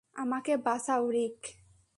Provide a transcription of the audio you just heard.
আমাকে বাঁচাও, রিক!